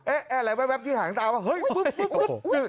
เอ๊ะอะไรแว๊บที่หางตาว่าเฮ้ยปุ๊บ